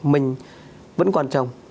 mình vẫn còn chồng